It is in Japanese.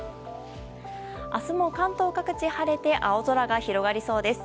明日も関東各地、晴れて青空が広がりそうです。